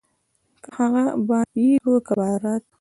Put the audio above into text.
که هغه به عيد وو که ببرات.